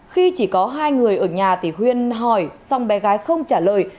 khi chỉ có hai người ở nhà thì huyên hỏi xong bé gái không trả lời